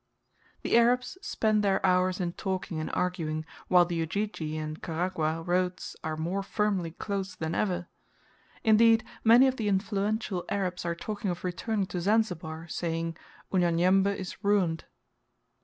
The Arabs spend their hours in talking and arguing, while the Ujiji and Karagwah roads are more firmly closed than ever. Indeed many of the influential Arabs are talking of returning to Zanzibar; saying, "Unyanyembe is ruined."